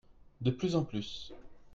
De plus en plus.